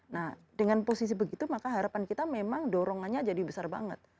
nah dengan posisi begitu maka harapan kita memang dorongannya jadi besar banget